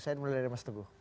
saya mulai dari mas teguh